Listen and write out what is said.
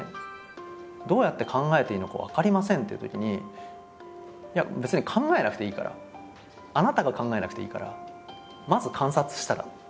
「どうやって考えていいのか分かりません」っていうときに「いや別に考えなくていいからあなたが考えなくていいからまず観察したら？